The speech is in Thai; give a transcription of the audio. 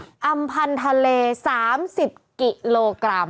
อัมพันธาเล๓๐กิโลกรัม